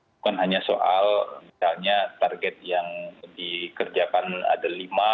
bukan hanya soal misalnya target yang dikerjakan ada lima